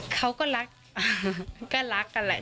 เขาก็รักก็รักกันแหละ